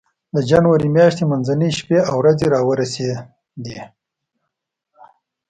د جنوري میاشتې منځنۍ شپې او ورځې را ورسېدې وې.